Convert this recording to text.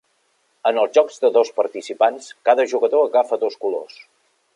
En els jocs de dos participants, cada jugador agafa dos colors.